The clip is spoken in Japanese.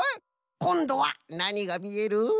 こんどはなにがみえる？